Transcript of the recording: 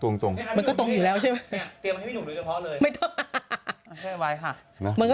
มันก็ตรงอยู่แล้วใช่ไหม